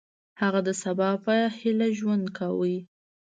هغه د سبا په هیله ژوند کاوه.